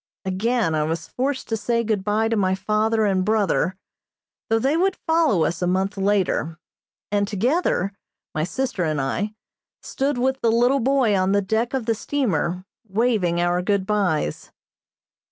Again I was forced to say good bye to my father and brother, though they would follow us a month later, and together, my sister and I, stood with the little boy on the deck of the steamer, waving our good byes.